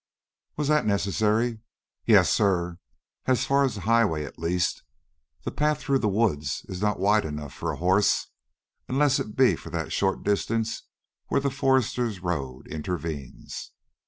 "Was that necessary?" "Yes, sir; as far as the highway, at least. The path through the woods is not wide enough for a horse, unless it be for that short distance where the Foresters' Road intervenes."